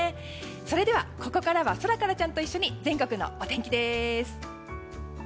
それではここからはソラカラちゃんと一緒に全国のお天気です。